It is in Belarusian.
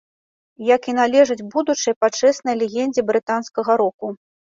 Як і належыць будучай пачэснай легендзе брытанскага року.